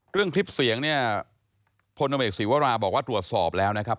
เรื่องคลิปเสียงเนี่ยพลนภสีวราบอกว่าตรวจสอบแล้วนะครับ